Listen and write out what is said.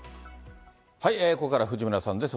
ここからは藤村さんです。